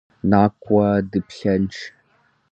НакӀуэ, дыплъэнщ.